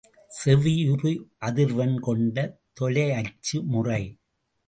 செவியுறு அதிர்வெண் கொண்ட தொலையச்சு முறை.